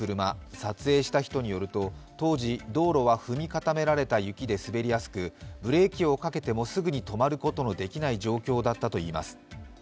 撮影した人によると、当時、道路は踏み固められた雪で滑りやすくブレーキをかけてもすぐに止まることのできない状況だったといいます。